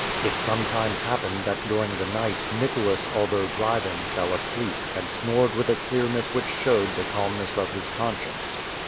It sometimes happened that during the night, Nicholas, although driving, fell asleep, and snored with a clearness which showed the calmness of his conscience.